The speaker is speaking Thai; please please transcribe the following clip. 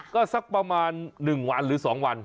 ก็สักประมาณ๑วันหรือ๒วัน